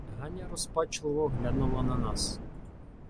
Ганя розпачливо глянула на нас.